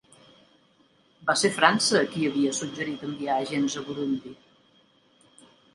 Va ser França qui havia suggerit enviar agents a Burundi.